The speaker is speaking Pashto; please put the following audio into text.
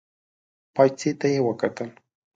پايڅې ته يې وکتل.